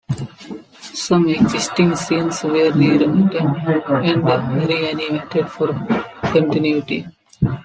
Some existing scenes were rewritten and reanimated for continuity.